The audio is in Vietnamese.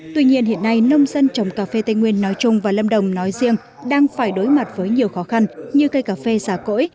tuy nhiên hiện nay nông dân trồng cà phê tây nguyên nói chung và lâm đồng nói riêng đang phải đối mặt với nhiều khó khăn như cây cà phê xả cỗi